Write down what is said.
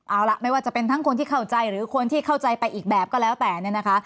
เอาล่ะไม่ว่าจะเป็นทั้งคนที่เข้าใจหรือคนที่เข้าใจไปอีกแบบก็แล้วแต่เนี่ยนะคะ